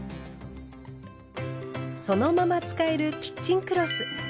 そのまま使えるキッチンクロス。